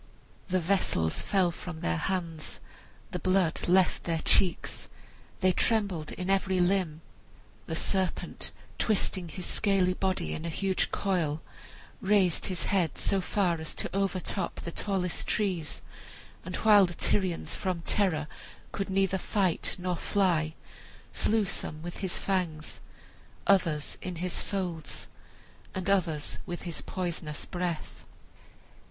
The vessels fell from their hands, the blood left their cheeks, they trembled in every limb. The serpent, twisting his scaly body in a huge coil, raised his head so as to overtop the tallest trees, and while the Tyrians from terror could neither fight nor fly, slew some with his fangs, others in his folds, and others with his poisonous breath.